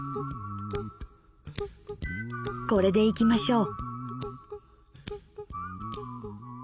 これでいきましょう。